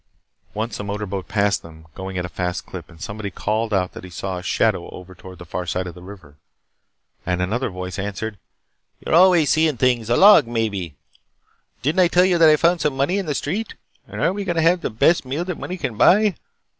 Once a motor boat passed them, going at a fast clip, and somebody called out that he saw a shadow over toward the far side of the river. And another voice answered. "You're always seeing things. A log, maybe. Didn't I tell you that I found some money in the street? And aren't we going to have the best meal that money can buy?